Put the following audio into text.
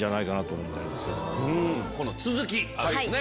この続きあるんですね。